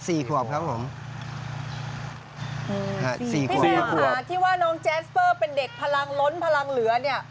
สี่ควบค่ะสี่ควบค่ะพี่คุณค่ะที่ว่าน้องแจ๊สเฟอร์เป็นเด็กพลังล้นพลังเหลือ